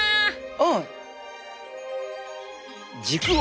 うん。